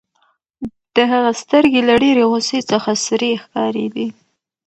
د هغه سترګې له ډېرې غوسې څخه سرې ښکارېدې.